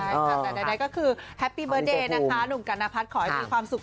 ใช่ค่ะแต่ใดก็คือแฮปปี้เบิร์ตเดย์นะคะหนุ่มกัณพัฒน์ขอให้มีความสุข